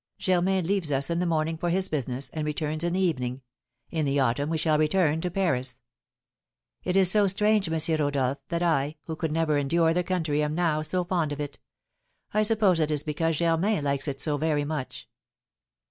Germain leaves us in the morning for his business, and returns in the evening. In the autumn we shall return to Paris. "It is so strange, M. Rodolph, that I, who could never endure the country, am now so fond of it; I suppose it is because Germain likes it so very much.